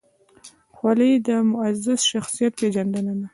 خولۍ د معزز شخصیت پېژندنه ده.